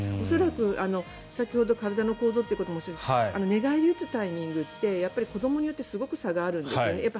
恐らく先ほど体の構造っておっしゃいましたけど寝返りのタイミングってやっぱり子どもによってすごく差があるんですよね。